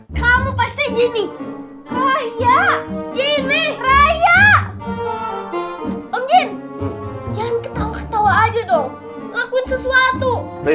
hai kamu pasti ini oh ya ini raya om jin jangan ketawa ketawa aja dong lakuin sesuatu